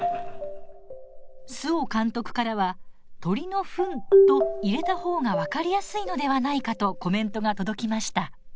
周防監督からは「鳥のふん」と入れた方が分かりやすいのではないかとコメントが届きました。